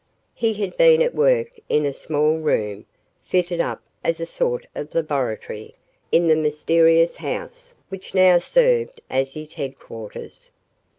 He had been at work in a small room, fitted up as a sort of laboratory, in the mysterious house which now served as his headquarters.